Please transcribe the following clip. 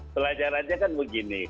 pelajarannya kan begini